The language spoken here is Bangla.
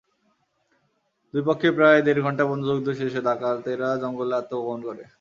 দুই পক্ষে প্রায় দেড় ঘণ্টা বন্দুকযুদ্ধ শেষে ডাকাতেরা জঙ্গলে আত্মগোপন করে।